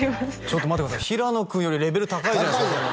ちょっと待ってください平野君よりレベル高いじゃないですか